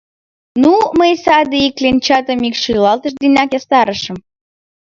Ну, мый саде ик кленчатым ик шӱлалтыш денак ястарышым.